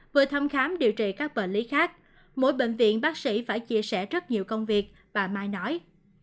vừa thăm khám điều trị các bệnh lý khác mỗi bệnh viện bác sĩ phải chia sẻ rất nhiều công việc và mai nói